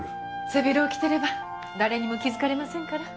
背広を着ていれば誰にも気づかれませんから。